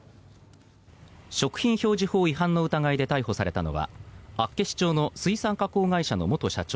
食品表示法違反の疑いで逮捕されたのは厚岸町の水産加工会社の元社長